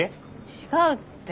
違うって。